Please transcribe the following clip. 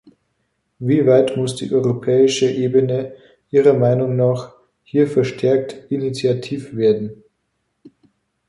Wie weit muss die europäische Ebene Ihrer Meinung nach hier verstärkt initiativ werden?